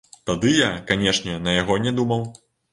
Тады я, канешне, на яго не думаў.